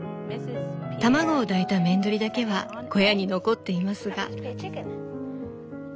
卵を抱いたメンドリだけは小屋に残っていますが」。